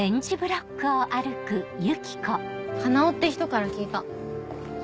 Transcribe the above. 花男って人から聞いた。